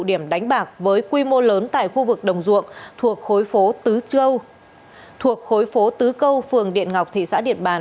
tụ điểm đánh bạc với quy mô lớn tại khu vực đồng duộng thuộc khối phố tứ câu phường điện ngọc thị xã điện bàn